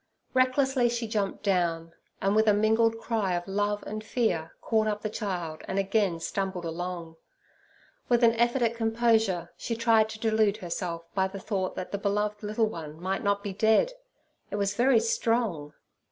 Recklessly she jumped down, and, with a mingled cry of love and fear, caught up the child and again stumbled along. With an effort at composure, she tried to delude herself by the thought that the beloved little one might not be dead—it was very strong.